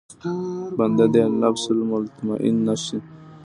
بنده دې النفس المطمئنه شي.